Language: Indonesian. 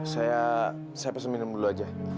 saya pesen minum dulu aja